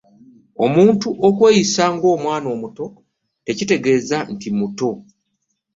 Omuntu okweyisa ng'omwana omuto tekitegeeza nti muto.